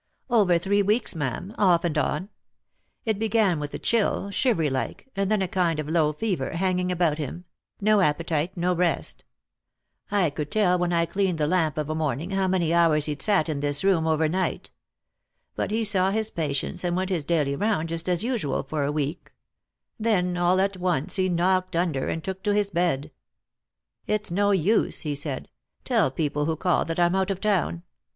" Over three weeks, ma'am, off and on. It began with a chill, shivery like, and then a kind of low fever hanging about him — no appetite, no rest. I could tell when I cleaned the lamp of a morning how many hours he'd sat in this room over night. But he saw his patients, and went his daily round just as usual for a week ; then all at once he knocked under, and took to his bed. It's no use," he said ;" tell people who call that I'm out of town.